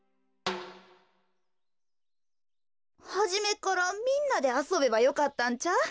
はじめっからみんなであそべばよかったんちゃう？